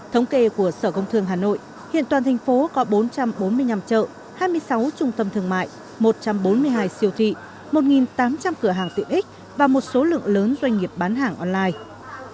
thống kê của sở công thương hà nội hiện toàn thành phố có bốn trăm bốn mươi năm chợ hai mươi sáu trung tâm thương mại một trăm bốn mươi hai siêu thị một tám trăm linh cửa hàng tiện ích và một số lượng lớn doanh nghiệp bán hàng online